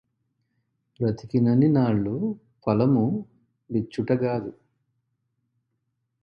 బ్రతికినన్నినాళ్ళు ఫలము లిచ్చుట గాదు